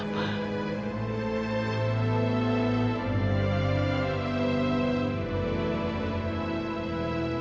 bapak schedules rukun